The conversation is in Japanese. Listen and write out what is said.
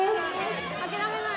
諦めない！